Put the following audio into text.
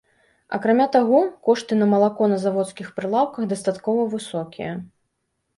Акрамя таго, кошты на малако на заводскіх прылаўках дастаткова высокія.